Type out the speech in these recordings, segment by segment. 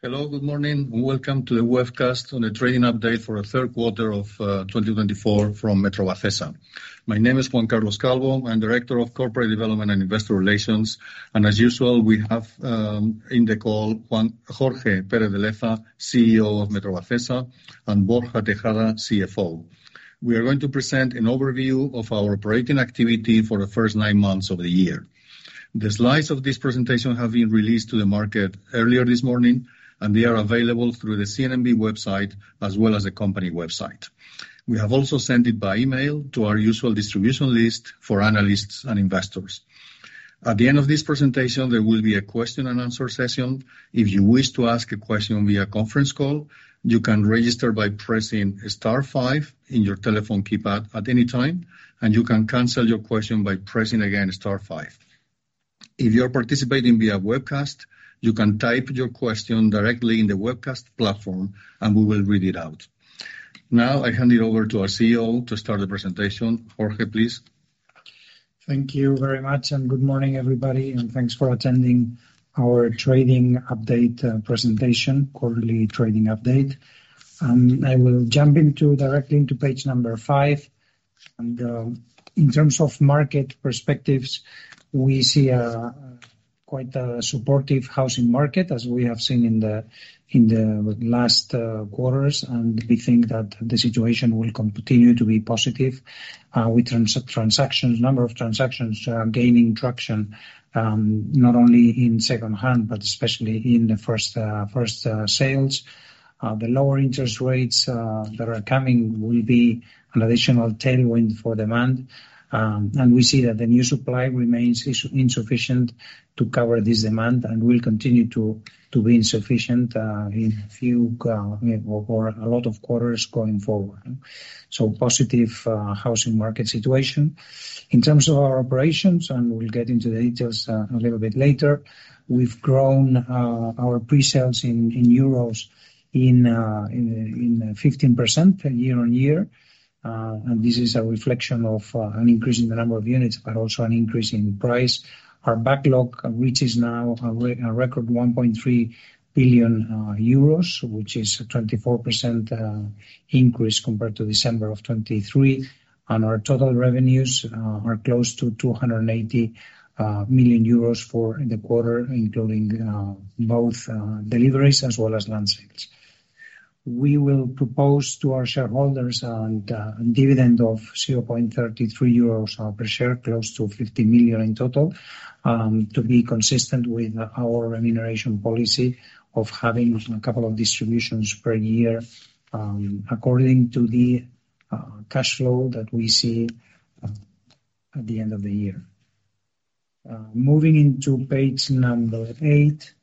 Hello, good morning, and welcome to the webcast on the trading update for the third quarter of 2024 from Metrovacesa. My name is Juan Carlos Calvo. I'm the Director of Corporate Development and Investor Relations, and as usual, we have in the call Jorge Pérez de Leza, CEO of Metrovacesa, and Borja Tejada, CFO. We are going to present an overview of our operating activity for the first nine months of the year. The slides of this presentation have been released to the market earlier this morning, and they are available through the CNMV website as well as the company website. We have also sent it by email to our usual distribution list for analysts and investors. At the end of this presentation, there will be a question-and-answer session. If you wish to ask a question via conference call, you can register by pressing *5 in your telephone keypad at any time, and you can cancel your question by pressing again *5. If you're participating via webcast, you can type your question directly in the webcast platform, and we will read it out. Now, I hand it over to our CEO to start the presentation. Jorge, please. Thank you very much, and good morning, everybody, and thanks for attending our trading update presentation, quarterly trading update. I will jump directly into page number five. In terms of market perspectives, we see quite a supportive housing market, as we have seen in the last quarters, and we think that the situation will continue to be positive, with a number of transactions gaining traction, not only in second hand, but especially in the first sales. The lower interest rates that are coming will be an additional tailwind for demand, and we see that the new supply remains insufficient to cover this demand, and will continue to be insufficient in a few or a lot of quarters going forward. So, positive housing market situation. In terms of our operations, and we'll get into the details a little bit later, we've grown our pre-sales in euros by 15% year on year, and this is a reflection of an increase in the number of units, but also an increase in price. Our backlog reaches now a record 1.3 billion euros, which is a 24% increase compared to December of 2023, and our total revenues are close to 280 million euros for the quarter, including both deliveries as well as land sales. We will propose to our shareholders a dividend of 0.33 euros per share, close to 50 million in total, to be consistent with our remuneration policy of having a couple of distributions per year, according to the cash flow that we see at the end of the year. Moving into page number eight,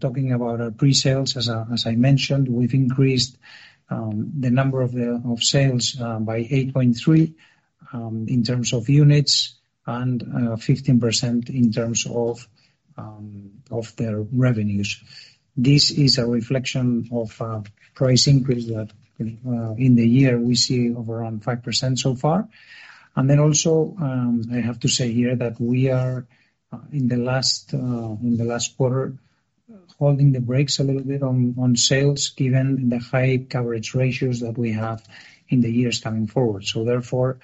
talking about our pre-sales, as I mentioned, we've increased the number of sales by 8.3 in terms of units and 15% in terms of their revenues. This is a reflection of a price increase that in the year we see of around 5% so far, and then also, I have to say here that we are, in the last quarter, holding the brakes a little bit on sales, given the high coverage ratios that we have in the years coming forward, so therefore,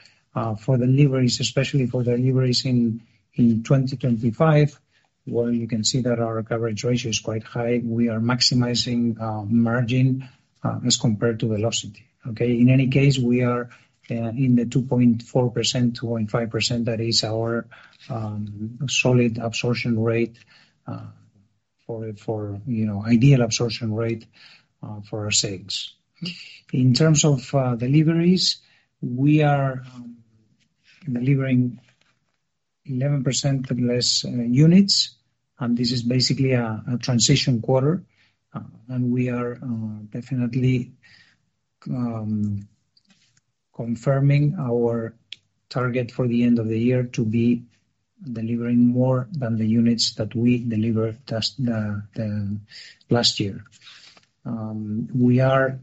for deliveries, especially for deliveries in 2025, well, you can see that our coverage ratio is quite high. We are maximizing margin as compared to velocity. Okay, in any case, we are in the 2.4%-2.5%, that is our solid absorption rate for ideal absorption rate for our sales. In terms of deliveries, we are delivering 11% less units, and this is basically a transition quarter, and we are definitely confirming our target for the end of the year to be delivering more than the units that we delivered last year. We are,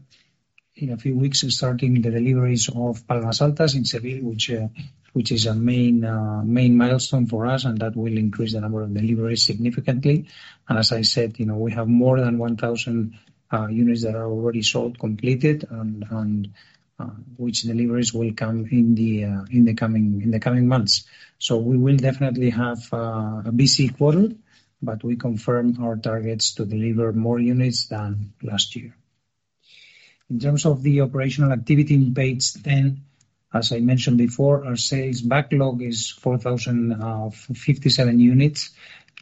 in a few weeks, starting the deliveries of Palmas Altas in Seville, which is a main milestone for us, and that will increase the number of deliveries significantly. And as I said, we have more than 1,000 units that are already sold, completed, and which deliveries will come in the coming months. So, we will definitely have a busy quarter, but we confirm our targets to deliver more units than last year. In terms of the operational activity in page 10, as I mentioned before, our sales backlog is 4,057 units,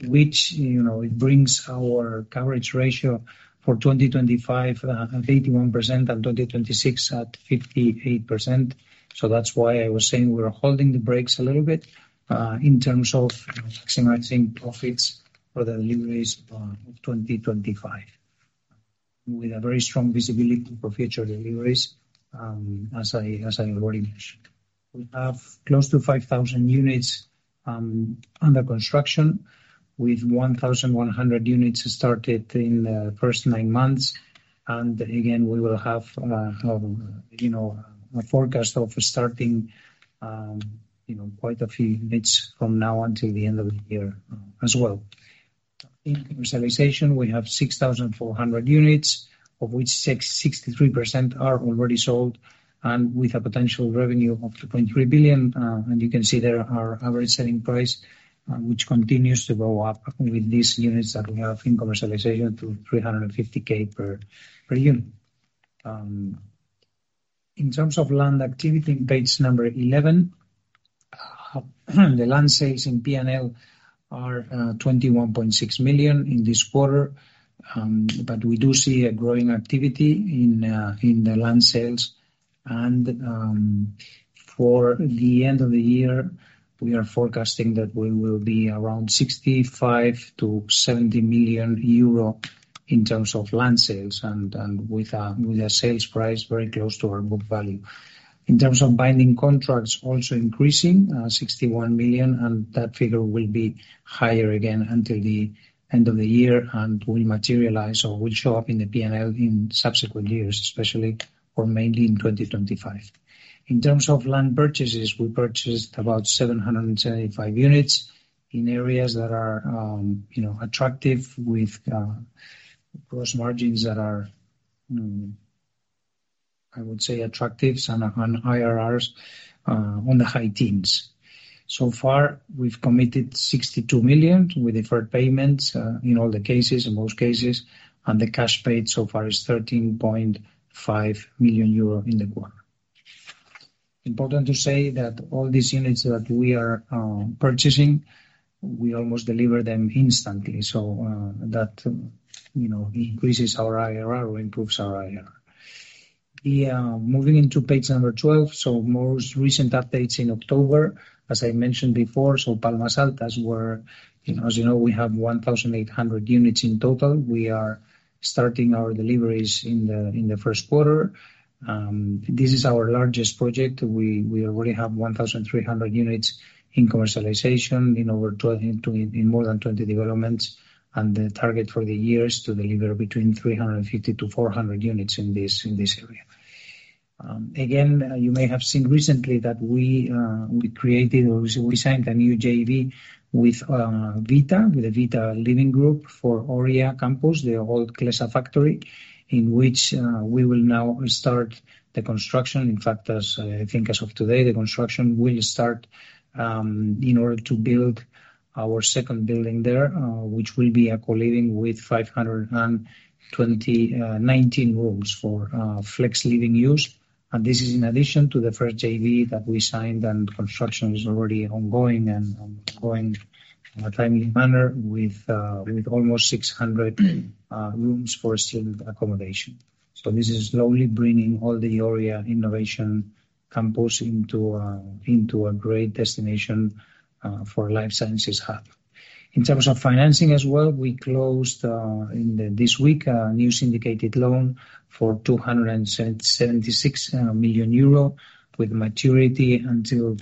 which brings our coverage ratio for 2025 at 81% and 2026 at 58%. That's why I was saying we're holding the brakes a little bit in terms of maximizing profits for the deliveries of 2025, with a very strong visibility for future deliveries, as I already mentioned. We have close to 5,000 units under construction, with 1,100 units started in the first nine months. Again, we will have a forecast of starting quite a few units from now until the end of the year as well. In commercialization, we have 6,400 units, of which 63% are already sold, and with a potential revenue of 2.3 billion. You can see there our average selling price, which continues to go up with these units that we have in commercialization to 350K per unit. In terms of land activity in page number 11, the land sales in P&L are 21.6 million in this quarter, but we do see a growing activity in the land sales, and for the end of the year, we are forecasting that we will be around EUR 65million-70million in terms of land sales, and with a sales price very close to our book value. In terms of binding contracts, also increasing 61 million, and that figure will be higher again until the end of the year and will materialize or will show up in the P&L in subsequent years, especially or mainly in 2025. In terms of land purchases, we purchased about 775 units in areas that are attractive with gross margins that are, I would say, attractive and higher IRRs in the high teens. So far, we've committed 62 million with deferred payments in all the cases, in most cases, and the cash paid so far is 13.5 million euro in the quarter. Important to say that all these units that we are purchasing, we almost deliver them instantly, so that increases our IRR or improves our IRR. Moving into page number 12, so most recent updates in October, as I mentioned before, so Palmas Altas, as you know, we have 1,800 units in total. We are starting our deliveries in the first quarter. This is our largest project. We already have 1,300 units in commercialization in more than 20 developments, and the target for the year is to deliver between 350 units-400 units in this area. Again, you may have seen recently that we created or we signed a new JV with a Vita Group for Oria Innovation Campus, the old CLESA factory, in which we will now start the construction. In fact, as I think as of today, the construction will start in order to build our second building there, which will be complying with 2019 rules for flex living use, and this is in addition to the first JV that we signed, and construction is already ongoing and going in a timely manner with almost 600 rooms for student accommodation, so this is slowly bringing all the Oria Innovation Campus into a great destination for life sciences hub. In terms of financing as well, we closed this week a new syndicated loan for 276 million euro with maturity until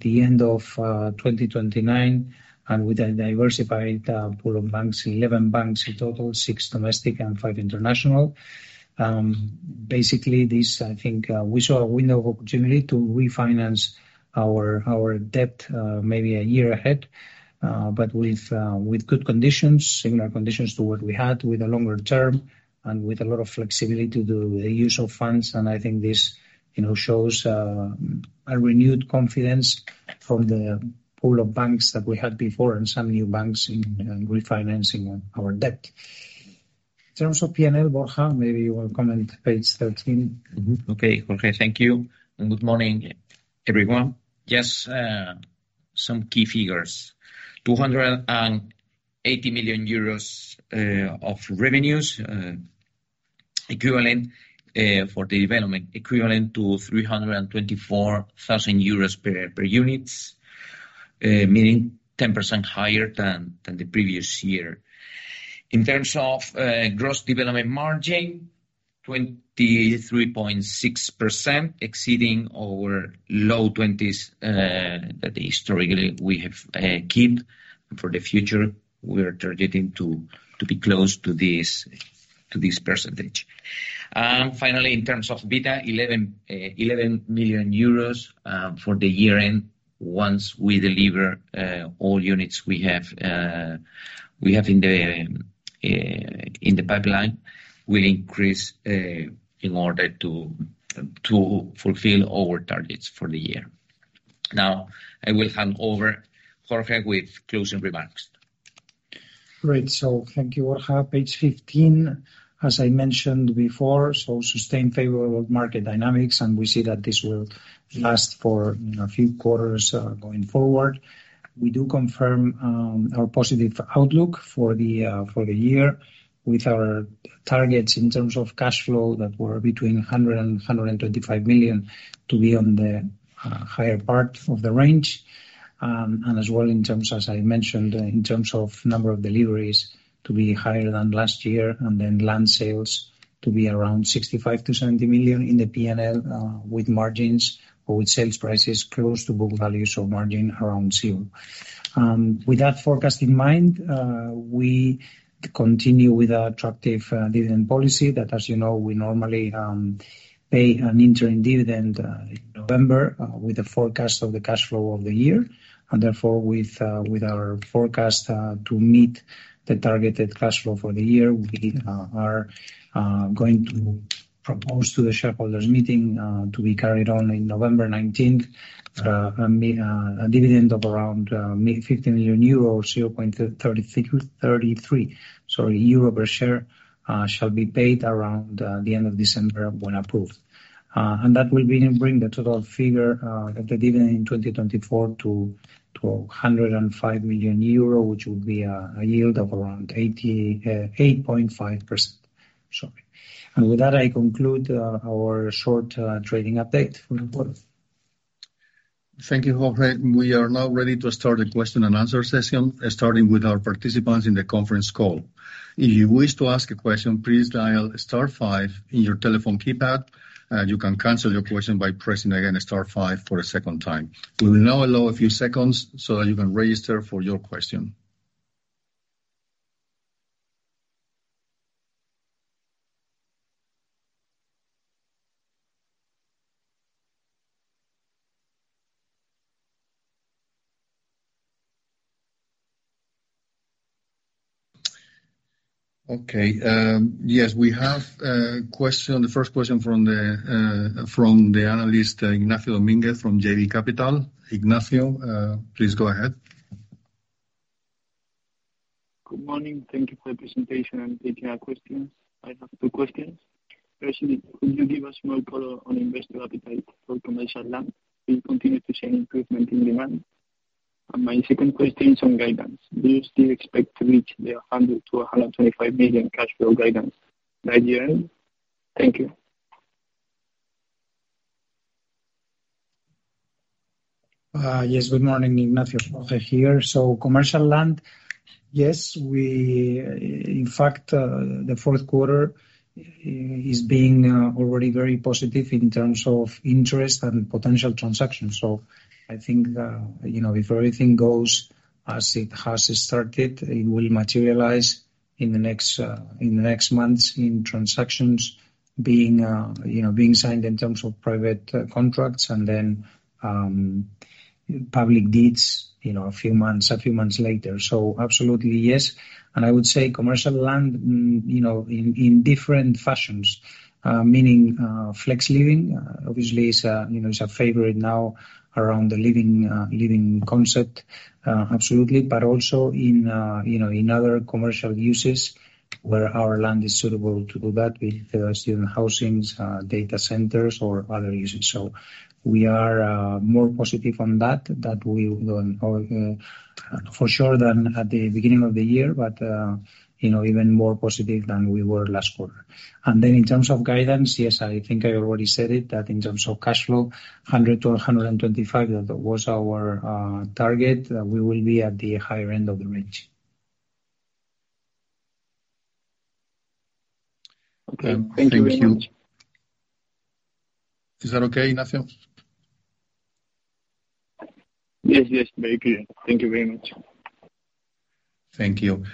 the end of 2029, and with a diversified pool of banks, 11 banks in total, six domestic and five international. Basically, this, I think, we saw a window of opportunity to refinance our debt maybe a year ahead, but with good conditions, similar conditions to what we had, with a longer term and with a lot of flexibility to the use of funds. And I think this shows a renewed confidence from the pool of banks that we had before and some new banks in refinancing our debt. In terms of P&L, Borja, maybe you want to comment page 13. Okay, Jorge, thank you. And good morning, everyone. Yes, some key figures. 280 million euros of revenues equivalent for the development, equivalent to 324,000 euros per unit, meaning 10% higher than the previous year. In terms of gross development margin, 23.6% exceeding our low 20s that historically we have kept for the future. We are targeting to be close to this percentage. And finally, in terms of EBITDA, 11 million euros for the year end. Once we deliver all units we have in the pipeline, we'll increase in order to fulfill our targets for the year. Now, I will hand over, Jorge, with closing remarks. Great. So thank you, Borja. Page 15, as I mentioned before, so sustained favorable market dynamics, and we see that this will last for a few quarters going forward. We do confirm our positive outlook for the year with our targets in terms of cash flow that were between 100 million and 125 million to be on the higher part of the range, and as well in terms, as I mentioned, in terms of number of deliveries to be higher than last year, and then land sales to be around 65 million to 70 million in the P&L with margins or with sales prices close to book values or margin around zero. With that forecast in mind, we continue with our attractive dividend policy that, as you know, we normally pay an interim dividend in November with a forecast of the cash flow of the year. Therefore, with our forecast to meet the targeted cash flow for the year, we are going to propose to the shareholders' meeting to be carried on in November 19th, a dividend of around 50 million euro, 0.33, sorry, per share shall be paid around the end of December when approved. That will bring the total figure of the dividend in 2024 to 105 million euro, which would be a yield of around 8-8.5%. With that, I conclude our short trading update for the quarter. Thank you, Jorge. We are now ready to start the question and answer session, starting with our participants in the conference call. If you wish to ask a question, please dial star five in your telephone keypad. You can cancel your question by pressing again star five for a second time. We will now allow a few seconds so that you can register for your question. Okay. Yes, we have a question. The first question from the analyst Ignacio Domínguez from JB Capital. Ignacio, please go ahead. Good morning. Thank you for the presentation and taking our questions. I have two questions. First, could you give us more color on investor appetite for commercial land? Will it continue to see improvement in demand? And my second question is on guidance. Do you still expect to reach the 100 million-125 million cash flow guidance by the end? Thank you. Yes, good morning. Ignacio Domínguez here. So commercial land, yes, in fact, the fourth quarter is being already very positive in terms of interest and potential transactions. So I think if everything goes as it has started, it will materialize in the next months in transactions being signed in terms of private contracts and then public deeds a few months later. So absolutely, yes. And I would say commercial land in different fashions, meaning flex living, obviously, is a favorite now around the living concept, absolutely, but also in other commercial uses where our land is suitable to do that with student housings, data centers, or other uses. So we are more positive on that, that we will go for sure than at the beginning of the year, but even more positive than we were last quarter. And then in terms of guidance, yes, I think I already said it, that in terms of cash flow, 100-125, that was our target. We will be at the higher end of the range. Okay. Thank you very much. Is that okay, Ignacio? Yes, yes, very clear. Thank you very much. Thank you.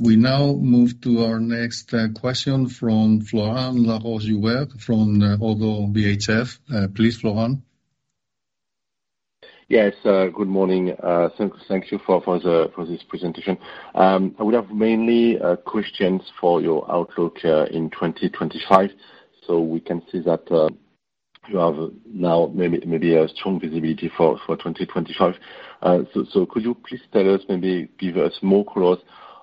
We now move to our next question from Florian Laroche from Oddo BHF. Please, Florian. Yes, good morning. Thank you for this presentation. I would have mainly questions for your outlook in 2025, so we can see that you have now maybe a strong visibility for 2025, so could you please tell us, maybe give us more color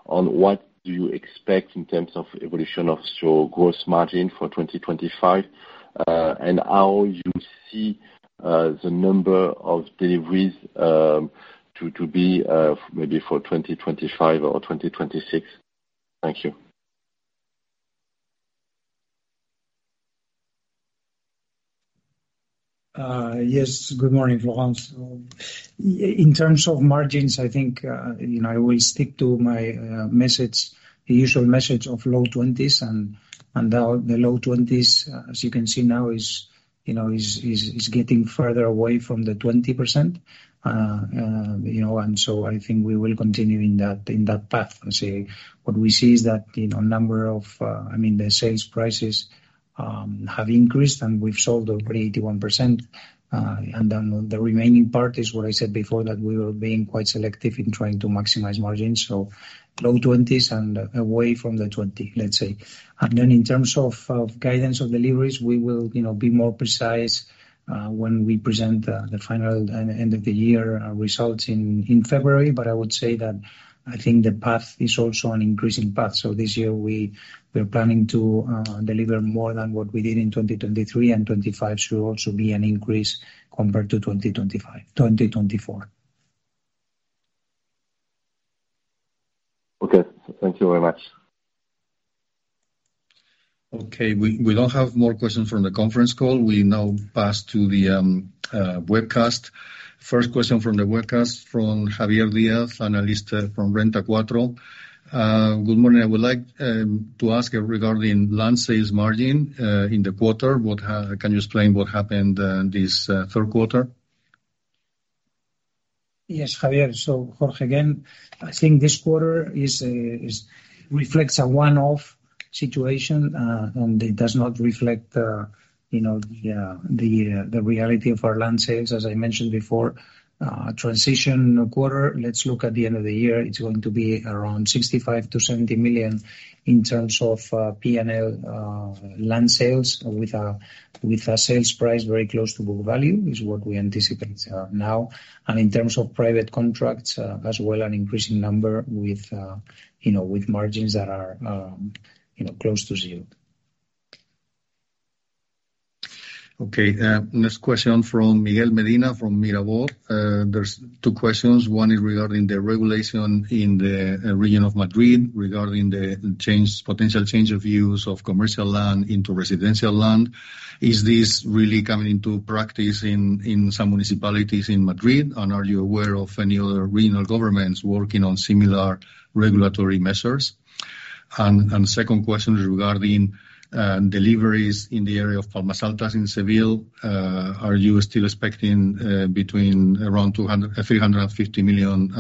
on what do you expect in terms of evolution of your gross margin for 2025 and how you see the number of deliveries to be maybe for 2025 or 2026? Thank you. Yes, good morning, Florian. In terms of margins, I think I will stick to my usual message of low 20s, and the low 20s, as you can see now, is getting further away from the 20%, and so I think we will continue in that path. I say what we see is that the number of, I mean, the sales prices have increased, and we've sold already 81%, and then the remaining part is what I said before, that we were being quite selective in trying to maximize margins, so low 20s and away from the 20%, let's say, and then in terms of guidance of deliveries, we will be more precise when we present the final end of the year results in February, but I would say that I think the path is also an increasing path. This year, we are planning to deliver more than what we did in 2023, and 2025 should also be an increase compared to 2024. Okay. Thank you very much. Okay. We don't have more questions from the conference call. We now pass to the webcast. First question from the webcast from Javier Díaz, analyst from Renta 4. Good morning. I would like to ask regarding land sales margin in the quarter. Can you explain what happened this third quarter? Yes, Javier. So Jorge again, I think this quarter reflects a one-off situation, and it does not reflect the reality of our land sales, as I mentioned before. Transition quarter, let's look at the end of the year. It's going to be around 65 million-70 million in terms of P&L land sales with a sales price very close to book value is what we anticipate now. And in terms of private contracts as well, an increasing number with margins that are close to zero. Okay. Next question from Miguel Medina from Mirabaud. There's two questions. One is regarding the regulation in the region of Madrid regarding the potential change of use of commercial land into residential land. Is this really coming into practice in some municipalities in Madrid? And are you aware of any other regional governments working on similar regulatory measures? And second question is regarding deliveries in the area of Palmas Altas in Seville. Are you still expecting between around 350 million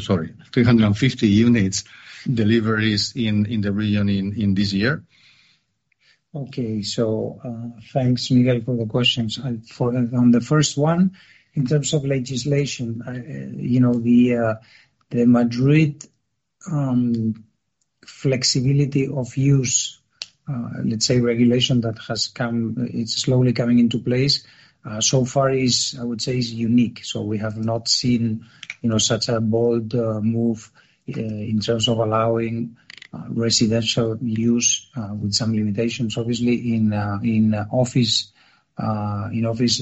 sorry, 350 units deliveries in the region in this year? Okay. So thanks, Miguel, for the questions. On the first one, in terms of legislation, the Madrid flexibility of use, let's say regulation that has come, it's slowly coming into place. So far is, I would say, unique. So we have not seen such a bold move in terms of allowing residential use with some limitations, obviously, in office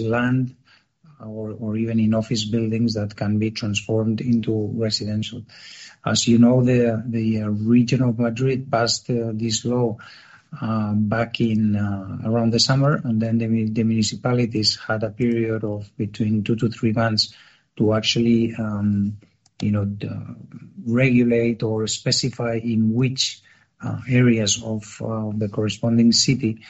land or even in office buildings that can be transformed into residential. As you know, the region of Madrid passed this law back in around the summer, and then the municipalities had a period of between two to three months to actually regulate or specify in which areas of the corresponding city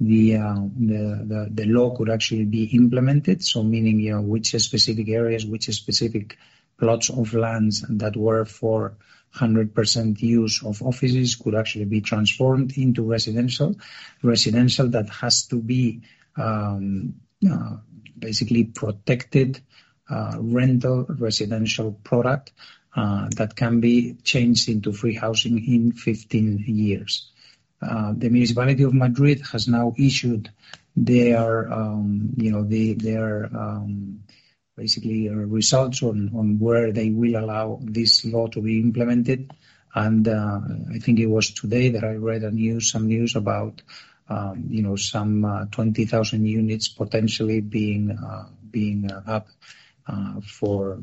the law could actually be implemented. So meaning which specific areas, which specific plots of land that were for 100% use of offices could actually be transformed into residential. Residential that has to be basically protected, rental residential product that can be changed into free housing in 15 years. The municipality of Madrid has now issued their basic results on where they will allow this law to be implemented, and I think it was today that I read some news about some 20,000 units potentially being up for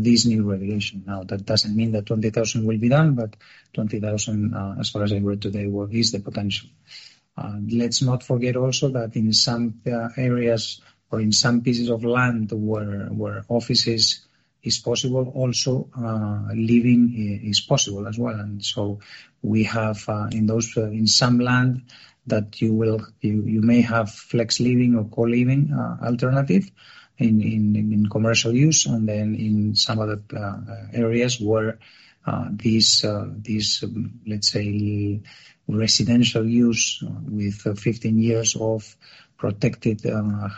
this new regulation. Now, that doesn't mean that 20,000 will be done, but 20,000, as far as I read today, is the potential. Let's not forget also that in some areas or in some pieces of land where offices is possible, also living is possible as well, and so we have in some land that you may have flex living or co-living alternative in commercial use, and then in some other areas where these, let's say, residential use with 15 years of protected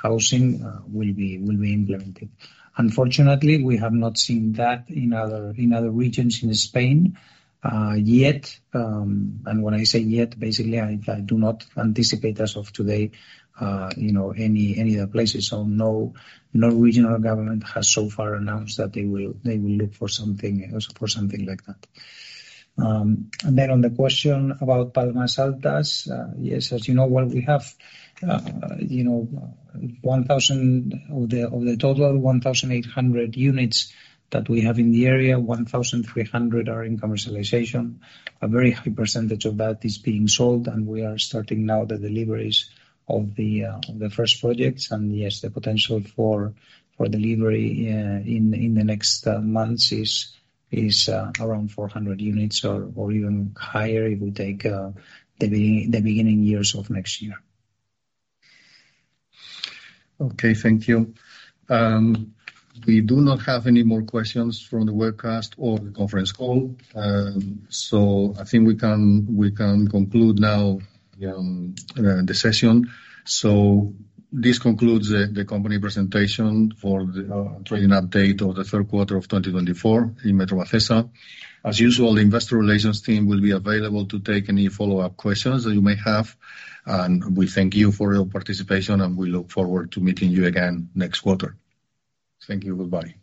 housing will be implemented. Unfortunately, we have not seen that in other regions in Spain yet. And when I say yet, basically, I do not anticipate as of today any other places. So no regional government has so far announced that they will look for something like that. And then on the question about Palmas Altas, yes, as you know, well, we have 1,000 of the total 1,800 units that we have in the area. 1,300 are in commercialization. A very high percentage of that is being sold, and we are starting now the deliveries of the first projects. And yes, the potential for delivery in the next months is around 400 units or even higher if we take the beginning years of next year. Okay. Thank you. We do not have any more questions from the webcast or the conference call, so I think we can conclude now the session, so this concludes the company presentation for the trading update of the third quarter of 2024 of Metrovacesa. As usual, the investor relations team will be available to take any follow-up questions that you may have, and we thank you for your participation, and we look forward to meeting you again next quarter. Thank you. Goodbye.